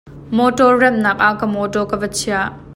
Mawtaw remhnak ah ka mawtaw ka va chiah.